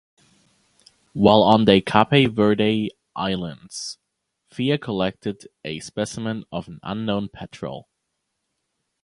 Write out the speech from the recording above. While on the Cape Verde Islands Fea collected a specimen of an unknown petrel.